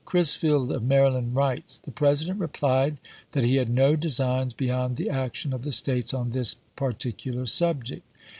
Crisfield of Maryland writes :" The President replied that he had no designs beyond the action of the States on this particular subject.